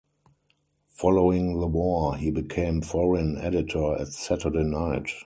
Following the war, he became Foreign Editor at Saturday Night.